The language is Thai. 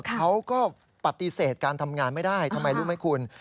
เขาก็ปฏิเสธการทำงานไม่ได้ทำไมรู้ไหมคุณ